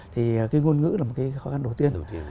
thì cái ngôn ngữ là một cái khó khăn đầu tiên